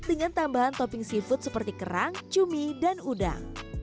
dengan tambahan topping seafood seperti kerang cumi dan udang